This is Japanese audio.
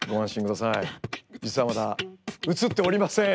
実はまだ映っておりません。